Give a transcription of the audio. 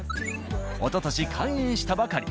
おととし開園したばかり。